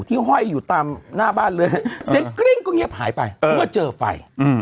ห้อยอยู่ตามหน้าบ้านเลยเสียงกริ้งก็เงียบหายไปเมื่อเจอไฟ